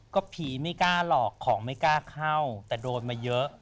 ก็ผีไม่กล้าหลอกของไม่กล้าเข้าแต่โดนมาเยอะ